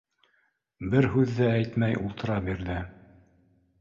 Бер һүҙ ҙә әйтмәй ултыра бирҙе.